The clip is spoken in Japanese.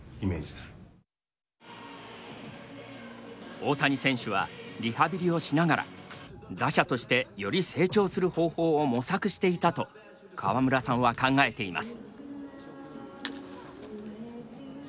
大谷選手はリハビリをしながら打者としてより成長する方法を模索していたと川村さんは考えています。